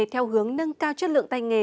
theo hướng nâng cao chất lượng tay nghề